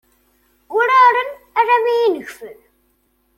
Uraren almi i negfen.